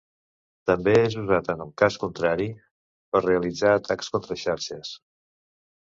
També és usat en el cas contrari: per realitzar atacs contra xarxes.